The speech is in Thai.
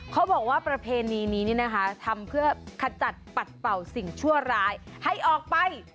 เขาบอกว่าประเพณีนี้นี่นะคะทำเพื่อขจัดปัดเป่าสิ่งชั่วร้ายให้ออกไป